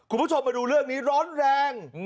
คุณผู้ชมมาดูเรื่องนี้ร้อนแรง